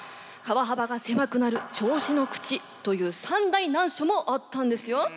川幅が狭くなる銚子の口という三大難所もあったんですよ。